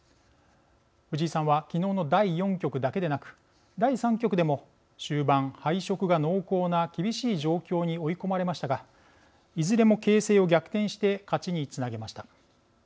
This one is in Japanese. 藤井さんは昨日の第４局だけでなく第３局でも終盤敗色が濃厚な厳しい状況に追い込まれましたがいずれも形勢を逆転して勝ちにつなげました。